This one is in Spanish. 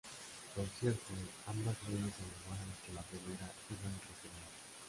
Por cierto, ambas leyes al igual que la primera, eran reservadas.